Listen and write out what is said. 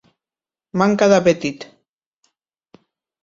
Manca d'apetit!